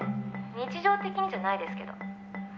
日常的にじゃないですけど」